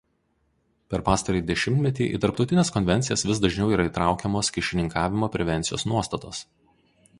Per pastarąjį dešimtmetį į tarptautines konvencijas vis dažniau yra įtraukiamos kyšininkavimo prevencijos nuostatos.